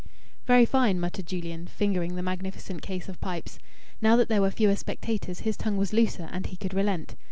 "Very fine!" muttered Julian, fingering the magnificent case of pipes. Now that there were fewer spectators, his tongue was looser, and he could relent.